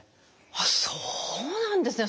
あっそうなんですね。